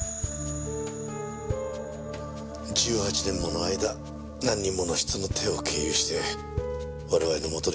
１８年もの間何人もの人の手を経由して我々の元に届いたんですね。